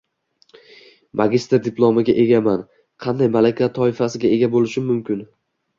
Magistr diplomiga egaman, qanday malaka toifasiga ega bo‘lishim mumkin?